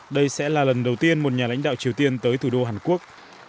đây sẽ là lần đầu tiên một nhà lãnh đạo triều tiên tới thủ đô hàn quốc